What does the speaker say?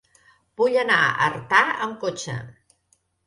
Vull anar a Artà amb cotxe.